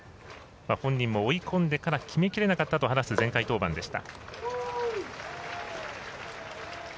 本人も追い込んでから決めきれなかったと話す前回登板でした。